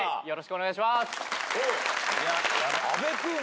よろしくお願いします。